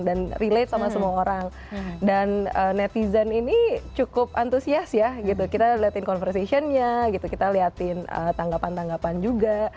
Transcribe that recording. dan relate sama semua orang dan netizen ini cukup antusias ya kita lihatin conversationnya kita lihatin tanggapan tanggapan juga